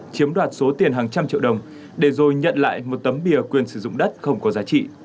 chiếm đoạt số tiền hàng trăm triệu đồng để rồi nhận lại một tấm bia quyền sử dụng đất không có giá trị